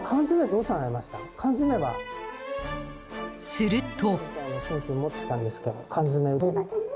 すると。